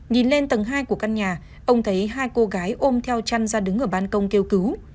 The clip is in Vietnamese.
nhìn lên tầng hai của căn nhà ông thấy hai cô gái ôm theo chăn ra đứng ở ban công kêu cứu